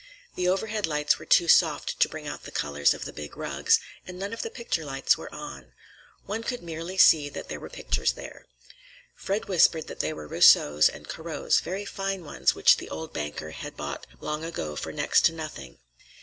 The overhead lights were too soft to bring out the colors of the big rugs, and none of the picture lights were on. One could merely see that there were pictures there. Fred whispered that they were Rousseaus and Corots, very fine ones which the old banker had bought long ago for next to nothing.